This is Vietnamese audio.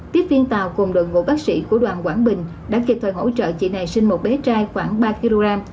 tiếp viên tàu cùng đội ngũ bác sĩ của đoàn quảng bình đã kịp thời hỗ trợ chị này sinh một bé trai khoảng ba kg